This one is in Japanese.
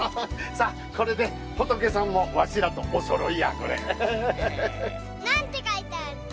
さあこれで仏さんもわしらとおそろいやこれ。なんて書いてあるの？